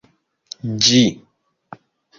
Ĝi